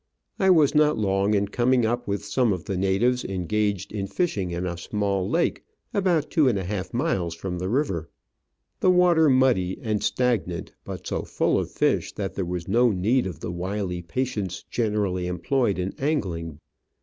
I was not long in coming up with some of the natives engaged in fishing in a small lake, about two and a half miles from the river ; the water muddy and stagnant, but so full of fish that there was no need of the wily patience generally employed in angling.